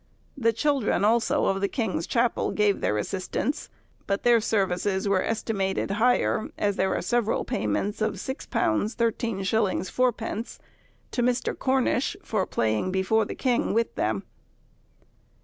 The children also of the king's chapel gave their assistance, but their services were estimated higher, as there are several payments of £6 13_s._ 4_d._ to Mr. Cornish, for playing before the king with them.